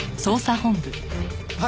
はい。